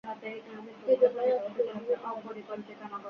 এজন্যই আজ তুই এভাবে মারা যাচ্ছিস!